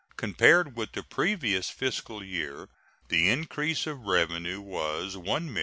Compared with the previous fiscal year the increase of revenue was $1,878,330.